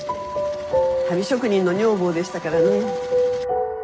足袋職人の女房でしたからね。